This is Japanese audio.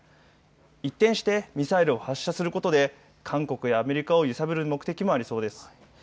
一転してミサイルを発射することで韓国やアメリカを揺さぶる目的もありそうです。